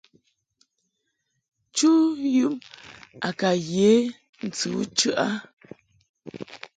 Chu yum a ka ye ntɨ u chəʼ a.